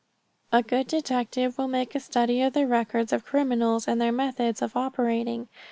A good detective will make a study of the records of criminals and their methods of operating.